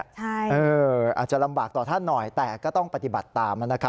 อาจจะลำบากต่อท่านหน่อยแต่ก็ต้องปฏิบัติตามนะครับ